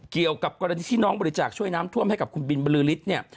เกี่ยวกับกรณีที่น้องบริจาคช่วยน้ำท่วมให้กับคุณบินบรือฤทธิ์เนี่ย